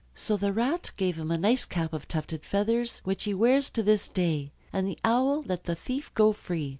So the Rat gave him a nice cap of tufted feathers, which he wears to this day; and the Owl let the thief go free.